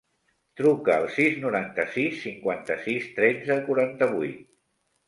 Truca al sis, noranta-sis, cinquanta-sis, tretze, quaranta-vuit.